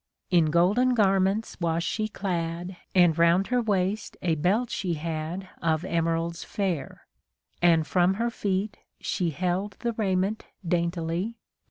In golden garments was she clad And round her waist a belt she had Of emeralds fair, and from her feet She held the raiment daintily.